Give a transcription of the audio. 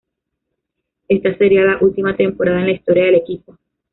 Esta sería la última temporada en la historia del equipo.